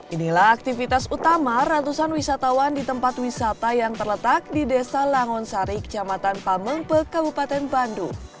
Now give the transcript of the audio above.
inilah aktivitas utama ratusan wisatawan di tempat wisata yang terletak di desa langonsari kecamatan pamengpe kabupaten bandung